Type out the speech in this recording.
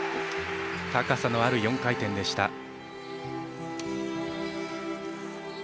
高さのある４回転でした。